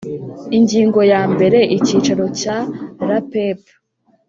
ingingo ya mbere icyicaro cya rapep